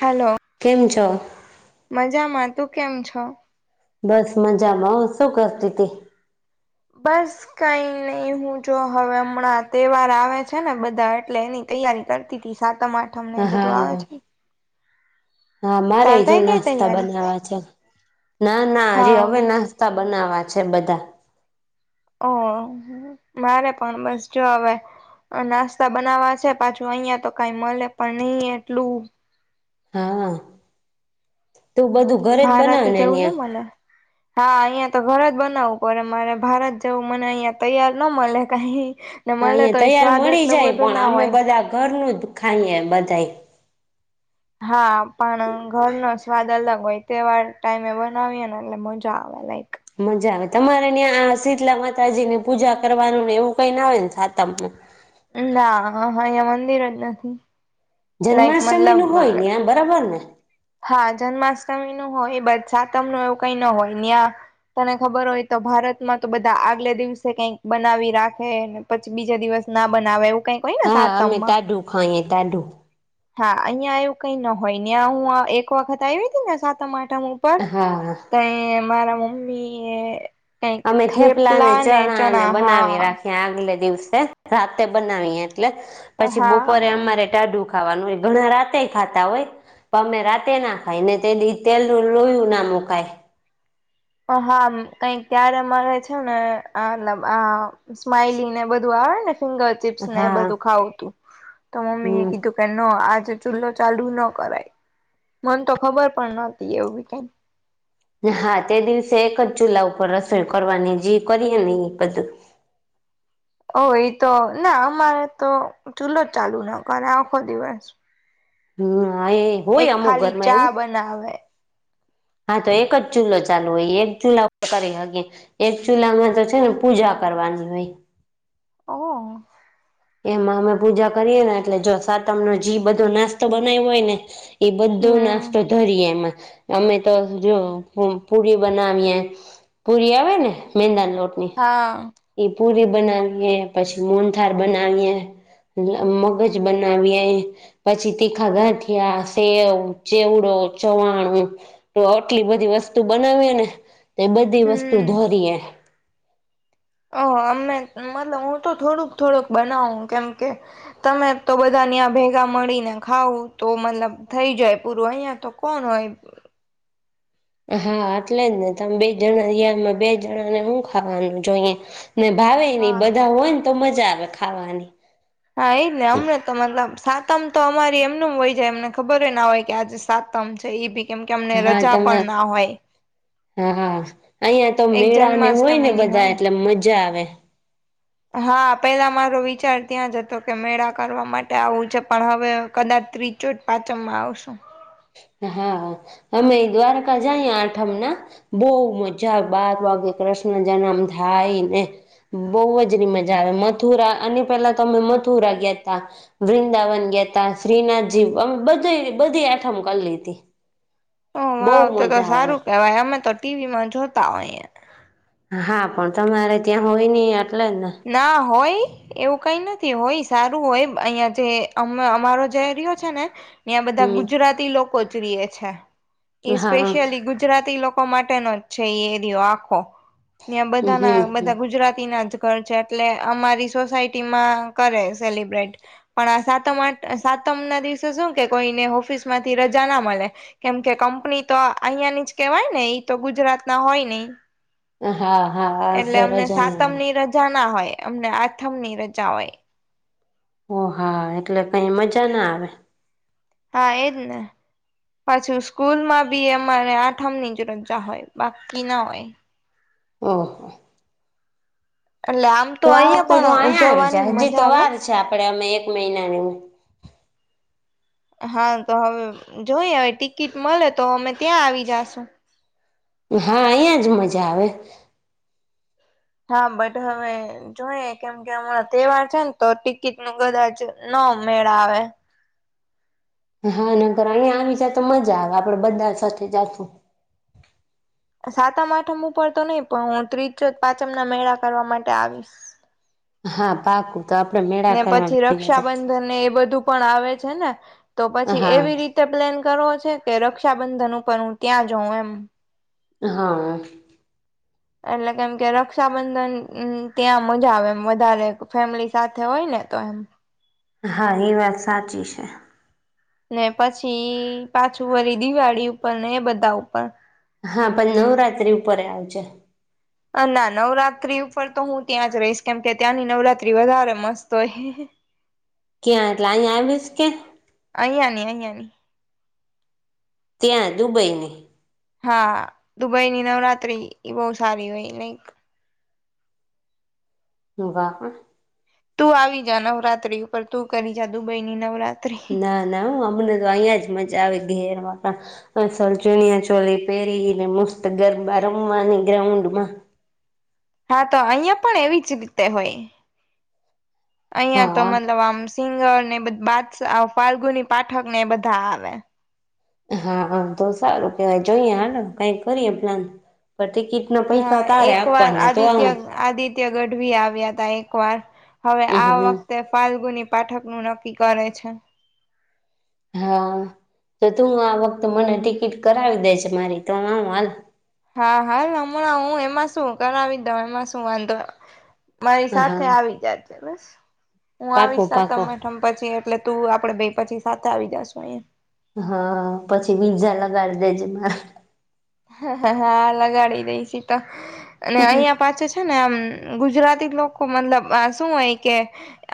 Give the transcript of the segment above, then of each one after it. હાલો, કેમ છો? મજામાં તું કેમ છો? બસ મજા બઉ, શું કરતી તી? બસ કઈ નઈ હું જો હવે હમણાં તહેવાર આવે છે ને બધા એટલે એની તૈયારી કરતી તી સાતમ આઠમ ને એ બધું આવે હા છે. હા મારે તાર એ જો થઈ ગઈ નાસ્તા તૈયારી? બનાવા છે. ના ના હજી હા. હવે નાસ્તા બનાવા છે બધા. ઓ મારે પણ બસ જો હવે નાસ્તા બનાવા છે. પાછું અહિયાં તો કઈ મળે પણ નહી એટલું હા. તું બધું ઘરે જ ભારત બનાવે જવું ને ન્યા મને. હા અહિયાં તો ઘર જ બનાવવું પડે મારે ભારત જવું મને અહંયા તૈયાર ન મળે કઈ. ને મળે અહી તો એ તૈયાર સ્વાદ મળી એટલો જાય બધો પણ ના અમે હોય. બધા ઘરનું દુખાઈ બધાય. હા પણ ઘરનો સ્વાદ અલગ હોય તેવાર ટાઈમે બનાવીય ને એટલે મજા આવે લા મજા આવે તમારે ત્યાં શીતલા માતાજી ની પૂજા કરવાનું ને એવું કઈને આવે ને સાતમમાં? ના હ હા અહિયા મંદિર જ નથી. લાઈક જન્માષ્ટમી નું મતલબ હોય ને આ બરાબર ને? હા, જન્માષ્ટમી નું હોય બધ સાતમ નું એવું કઈ ન હોય ન્યા તને ખબર હોય તો ભારતમાં તો બધા આગલે દિવસે કંઈક બનાવી રાખે, પછી બીજા દિવસ ના બનાવે એવું કઈક હોય ને હા, અમે સાતમમાં તાઢું ખાઈએ તાઢું. હા, અહીંયા એવું કઈ ન હોય ન્યાં હું એક વખત આવી હતી ને સાત માટે ઉપર હા તઈ મારા મમ્મીએ અમે થેપલા ને ચણા ને બનાવી હા રાખીએ આગલે દિવસે રાતે બનાવી એટલે પછી હા બપોરે અમારે ટાઢું ખાવાનું હોય ઘણા રાતે ખાતા હોય પણ અમે રાતે ના ખાઈ ને તે દી તેલ લોયું નાનું ખાય. હા, કઈક ત્યારે અમારે છે ને મતલબ આ સ્માઈલી ને બધું આવે ને ફિંગર ચીપ્સ ને એ હા બધું ખાવું તું તો મમ્મી એ હમ કીધું કે ન આજે ચૂલો ચાલુ ના કરાય. મન તો ખબર પણ નતી એવી કઈ. હા તે દિવસે એક જ ચૂલા ઉપર રસોઈ કરવાની જે કરીએ ને એ બધું ઓ એ તો ના અમારે તો ચૂલો જ ચાલુ ના કરે આખો દિવસ. હમ્મ, એ એક હોય અમુક ખાલી ઘરમાં ચા એવું? બનાવે હા તો એક જ ચૂલ્લો ચાલુ હોય એક ચૂલા ઉપ કરી એક ચૂલામાં તો છે ને પૂજા કરવાની હોઈ. ઓ. એમાં અમે પૂજા કરીએ ને એટલે જો સાતમ નો જી બધો નાસ્તો બનાવ્યો હોય ને એ બધો હમ નાસ્તો ધરીએ એમાં અમે તો જો પુરી બનાવીએ, પુરી આવે ને મેંદાની રોટલી હા એ પુરી બનાવીએ પછી મોન્થલ બનાવીએ મ મગજ બનાવીએ પછી તીખા ગાંઠિયા, સેવ, ચેવડો ચવાણું તો આટલી બધી વસ્તુ બનાવીએ ને તો બધી વસ્તુ ધોરીએ. ઓ અમે મતલબ હું તો થોડુંક થોડુંક બનાવ કેમકે તમે તો બધા ન્યા ભેગા મળી ને ખાવું તો મતલબ થઈ જાય પૂરું અહિયાં તો કોણ હોય. [inaudible] હા એટલે જ ને તમે બે જણા બે જણા ને હું ખાવાનું જોઈ ને ભાવે ને હા બધા હોય ને તો મજા આવે ખાવાની હા એઈને અમને તો મતલબ સાતમ તો અમારી એમનું હોય જાય એમને ખબર ના હોય કે આજે સાતમ છે એ બી કેમ કેમ ને હા રજા પણ તમા ના હોય હા હા અઇયા તો એક મેળા ને હોય ને જન્માષ્ટમીની બધા હોય એટલે મજા આવે હા પેલા મારો વિચાર ત્યાં જ હતો કે મેળા કરવા માટે આવું છે પણ હવે કદાચ બિજોજ પાચમમાં આવશું હા અમે દ્વારકા જાય આઠમ ના બહુ મજા બાર વાગે કૃષ્ણ જન્મ થાયને બહુજ મજા આવે મથુરા અને પેલા તમે મથુરા ગ્યાતા વૃંદાવન ગ્યાતા શ્રીનાથજીમે બધી બધી આઠમ કલ લેઘી હ વાવ તો તો સારું કેવાય અમે તો ટીવી માં જોતા હોય હા પણ તમારે ત્યાં હોય નહી ના હોય એવું કઈ નથી હોય સારું હોય અહિયાં જે અ અમારો ઐરીયો છે ને ત્યા બધા હમ ગુજરાતી લોકો જ રિએ છે હા સ્પેશિયલી ગુજરાતી લોક માટેનો જ છે એ એરિયો આખો ત્યા બધાના હમ બધા ગુજરાતીના જ ઘર છે એટલે અમારી સોસાયટીમાં કરે સેલિબ્રેટ પણ સાતમ આ આઠમ તમના દિવસે શું કે કોઈને ઓફિસ માંથી રજા ના મળે કેમ કે કંપની તો અહિયાં ની જ કેવાય ને ઈ તો ગુજરાત ના હોય ની હા હા રજા સાતમ રજાની ની રજા ના હોય અમને આઠમ ની રજા હોય ઓ હા એટલે કઈ મજા ના આવે હા એજને પાછું સ્કૂલ માં બી અમારે આઠમ ની રજા હોય બાકી ના હોય ઓહ એટલે આમ તો આ અહિયાં વખતે જો પણ અહીયા આવી ઉજવવાની જાય હજી તો મજા આવે વાર છે આપડે અમે એક મહિનાની હા તો હવે જોઈએ હવે ટિકિટ મળે તો અમે ત્યાં આવી જાશુ હા અહિયાં જ મજા આવે હા બટ હવે જોઈએ કેમ કે હમણાં તહેવાર છે ને તો ટિકિટ નું કદાચ ન હ મેળ આવે હા નકર અહિયા આવી જાય તો મજા આવે આપડે બધા સાથે જાશું સાતમ આઠમ ઉપર તો નહી પણ હું ત્રીજો પાંચમ ના મેળા કરવા માટે આવીશ હા પાકું તો આપડે મેળા ને કરવા પછી ભેગા જશું રક્ષાબંધનને એ બધું પણ આવે છે ને તો પછી હા એવી રીતે પે્લેન કરો છે કે રક્ષાબંધન ઉપર હું ત્યાં જાઉં એમ હા એટલે કેમ કે રક્ષાબંધન ત્યાં મજા આવે વધારે ફેમિલી સાથે હોય ને તો એમ હા એ વાત સાચી છે ને પછી પાછું વળી દિવાળી ઉપર ને એ બધા ઉપર હા પણ નવરાત્રિ ઉપર એ આવજે ના નવરાત્રી ઉપર તો હું ત્યાં જ રહીશ કેમકે ત્યાંની નવરાત્રી વધારે મસ્ત હોય ક્યાં એટલે અહીંયા આવીશ કે અહીંયાની અહીયાની ત્યાં દુબઈની હા દુબઈની નવરાત્રી એ બહુ સારી હોય લઈક [unintelligible] વાહ હ તું આવી જા નવરાત્રી ઉપર તું કરી જા દુબઈ ની નવરા ના ના હ અમને તો અહીંયા જ મજા આવે ઘેર માં. અ અસલ ચુનિયા ચોલી પહેરીને મસ્ત ગરબા રમવાની ગ્રઉન્ડમાં. હા તો અહિયાં પણ એવી જ રીતે હોય. અહિયાં તો હા મતલબ આમ [unintelligible] ને બ બાદ સા આ ફાલ્ગુની પાઠક ને બધા આવે. હા હા તો સારું કેવાય જોઈએ હા કઈ કરીએ પ્લાન. પણ ટિકિટ ના હા પૈસા તારે એક વાર આપવાના તો આદિત્ય આવું આદિત્ય ગઢવી આવ્યા હતા એક ક વાર હવે આ વખતે ફાલ્ગુની પાઠક નું નક્કી કરે છે. હા. તો તું આ વખતે મને ટિકિટ કરાવી દે છે મારી તો હું હાલ હા હાલ હમણાં હું એમાં શું કરાવી દઉ એમાં શું વાંધો. મારી સાથે હા આવી જાજે બસ. હું પાકો આવીશ પાકો સાતમ આઠમ પછી એટલે તું આપડે બે પછી સાથે આવી જશુ એમ. [unintelligible] માં હ હા લગાડી દઈશ ઈ તો અને અહંયા પાછું છે ને આમ ગુજરાતી લોકો મતલબ આ શું હોય કે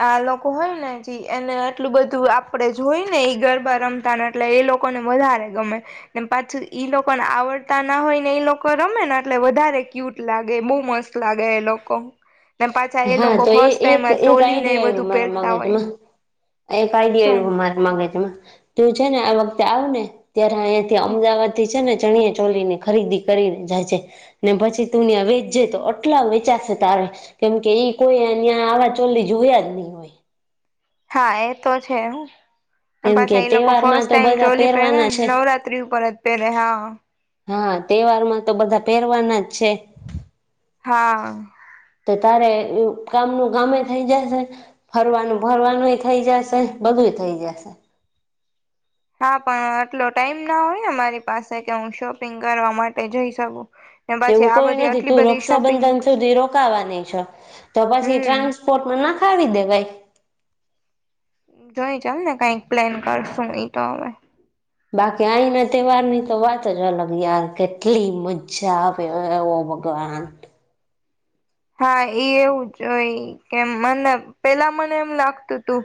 આ લોકો હોય ને એને આટલું બધુ તું આપણે જોઈ ને ઇ ગરબા રમતા ન એટલે એ લોકોને વધારે ગમે ને પાછું ઈ લોકો પણ આવડ તા ના હોય ને એ લોકો રમે ને એટલે વધારે ક્યુટ લાગે બો મસ્ત લાગે એ લોકો. ને પાછા એ હા લોકો તો ફર્સ્ટ ટાઈમ એક આ એક ચોલીને આઈડિયો એ આવ્યો બધું મારા પહેરતા હોય. મગજમાં એક આઇડિયો શું આવ્યો મારા મગજમાં. તું છે ને આ વખતે આવ ને ત્યારે અહીંયા થી અમદાવાદ થી છે ને ચણિયા ચોલી ની ખરીદી કરીને જજે ને પછી તુનિયા વેચજે તો આટલા વેચાશે તાર કેમકે ઈ કોઈ અહીંયા આવા ચોલી જોયા જ ની હોય. હા એ તો છે હા. ને કેમ કે પાછા એ લોકો તહેવારમાં ફર્સ્ટ તો ટાઈમ બધા ચોલી પહેરે પહેરવાના ને છે નવરાત્રી ઉપર જ પહેરે હા. હા તહેવાર માં તો બધા પહેરવાના જ છે. હા. તો તારે કામનું કામે થઈ જશે ફરવાનું ફરવાનુંય થઈ જશે બધું થઈ જશે. હા પણ આટલો ટાઈમ ના હોયને અમારી પાસે કે હું શોપિંગ કરવા માટે જઈ શકું. ને પછી કેવું આ કોઈ બધી નથી આટલી તું બધી શોપિંગ રક્ષાબંધન સુધી રોકાવાની છ તો પછી હમ ટ્રાન્સપોર્ટ ના ખાવી દેવાાઈ. જોઈ ચાલ ને કઈક પ્લેન કરશું એ તો હવે. બાકી અહીના તહેવારની તો વાત જ અલગ યાર કેટલી મજા આવે [unintelligible] ભગવાન. હા એવું જોય કેમ મને પેલા મને એમ લાગતું તું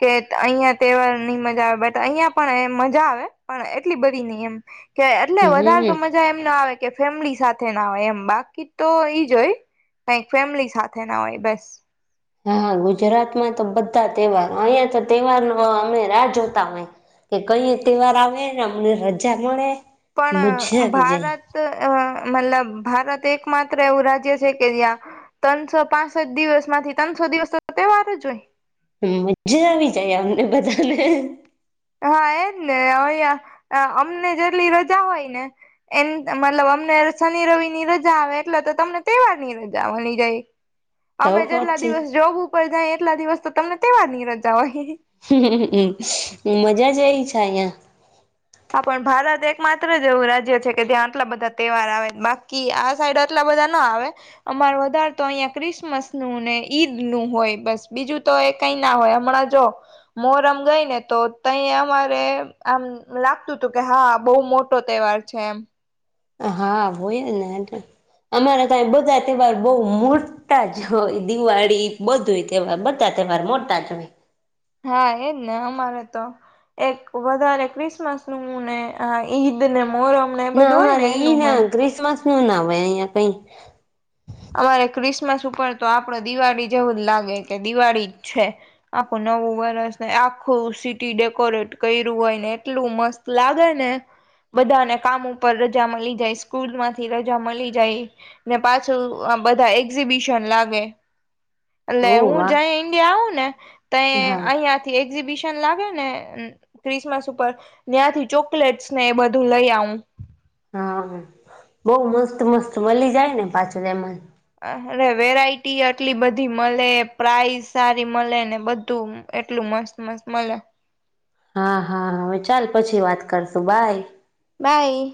કે અહિયાં તહેવાર ની મજા આવે બટ અહિયાં પણ એ મજા આવે પણ એટલી બધી ની એમ. કે એટલે વધારે તો હમ મજા એમ ના આવે કે ફેમિલી સાથે ના આવેય એમ બાકી તો ઈજ હોય. કઈક ફેમિલી સાથે ના હોય બસ. હા ગુજરાતમાં તો બધા તહેવાર અહિયાં તો તહેવાર નો અમે રાહ જોતા હોય. કે કઈ તહેવાર આવે ને અમને રજા મળે. મજા પણ આવી જાય ભારત અ મતલબ ભારત એક માત્ર એવું રાજ્ય છે કે જ્યાં ત્રણસો પાસઠ દિવસ માંથી ત્રણસો દિવસ તો તહેવાર જ હોય. મજા આવી જાય અમને બધાને. હા એજ ને અ અમને જેટલી રજા હોય ને એમ મતલબ તમને શનિ રવિ ની રજા આવે એટલે તો તમને તહેવાર ની રજા વની જાય. તો અમે જેટલા પછી દિવસ જોબ ઉપર જાય એટલા દિવસ તો તમને તહેવાર ની રજા હોય. હ મજા જઈ છે અહિયાં. હા પણ ભારત એક માત્ર જ એવું રાજ્ય છે કે ત્યાં આટલા બધા તહેવાર આવે બાકી આ સાઈડ આટલા બધા ના આવે અમારે વધારે તો અહિયાં ક્રિસમસ નું ને ઈદ નું હોય બસ બીજું તો એ કઈ ના હોય હમણાં જો મોરમ ગઈ ને તો ત અમારે આમ લાગતું હતું કે હા બહુ મોટો તહેવાર છે એમ. હા હું [unintelligible] અમારા ત્યાં બધા તહેવાર બઉ મોટા જ હોય દિવાળી બધું તહેવાર બધા. મોટા [unintelligible] હા એજ ને અમારે તો. એક વધારે ક્રિસમસ નું હુંને અ ઈદ મોહરમ ને એ ના બધું હોય અમારે ને ઈ એનું ના હોય ક્રિસમસ નું ના હોય અહંયા કઈ. અમારે ક્રિસમસ ઉપર તો આપડી દિવાળી જેવું જ લાગે કે દિવાળી છે આપણ નવું વરસ ને આખું સિટી ડેકોરેટ કર્યું હોય ને એટલું મસ્ત લાગે ને. બધાને કામ ઉપર રજા મળી જાય સ્કૂલ માંથી રજા મળી જાય ને પા છું બધા એક્ઝિબિશન લાગે. ને ઓ હું વાહ જ ઈન્ડિયા આવ ને ત હા અહિયાં થી એક્ઝિબિ ન લાગે ને ક્રિસમસ ઉપર ત્યાથી ચોકલેટસ ને એ બધું લઈ આવું. હા બઉ મસ્ત મસ્ત મળી જાય ને પાછું એમાં અરે વેરાયટી આટલી બધી મળે પ્રાઈઝ સારી મળે ને બધું એટલું મસ્ત મસ્ત મલે હા હા હવે ચાલ પછી વાત કરશું બાય. બાઈ.